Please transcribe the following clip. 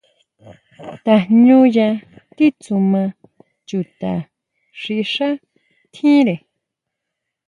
Tajñuya titsuma chuta xi xá tjíre.